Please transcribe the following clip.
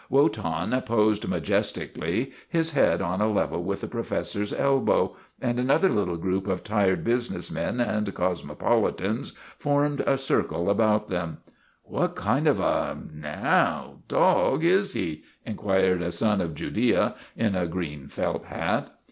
Wotan posed majesti cally, his head on a level with the professor's elbow, 216 WOTAN, THE TERRIBLE and another little group of tired business men and cosmopolitans formed a circle about them. " What kind of a, now, dog is he? ' inquired a son of Judea in a green felt hat.